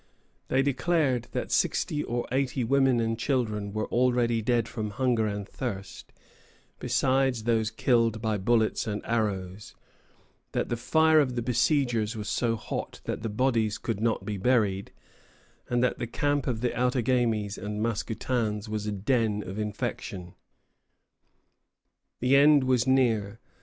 They declared that sixty or eighty women and children were already dead from hunger and thirst, besides those killed by bullets and arrows; that the fire of the besiegers was so hot that the bodies could not be buried, and that the camp of the Outagamies and Mascoutins was a den of infection. The end was near.